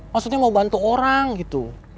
maksudnya mau bantu orang gitu